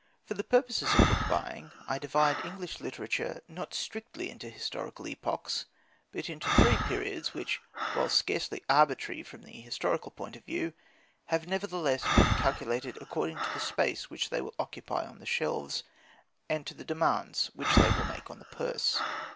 ] For the purposes of book buying, I divide English literature, not strictly into historical epochs, but into three periods which, while scarcely arbitrary from the historical point of view, have nevertheless been calculated according to the space which they will occupy on the shelves and to the demands which they will make on the purse: I.